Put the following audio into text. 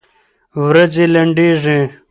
ورځي لنډيږي